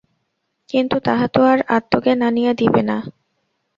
কিন্তু তাহা তো আর আত্মজ্ঞান আনিয়া দিবে না।